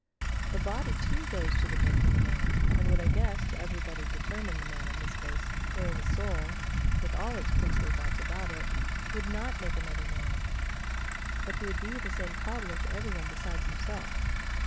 The body too goes to the making the man, and would, I guess, to everybody determine the man in this case, wherein the soul, with all its princely thoughts about it, would not make another man: but he would be the same cobbler to every one besides himself.